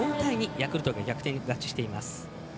ヤクルトが逆転勝ちしています。